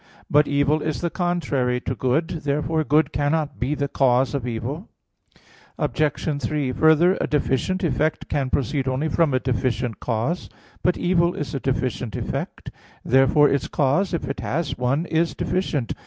But evil is the contrary to good. Therefore good cannot be the cause of evil. Obj. 3: Further, a deficient effect can proceed only from a deficient cause. But evil is a deficient effect. Therefore its cause, if it has one, is deficient.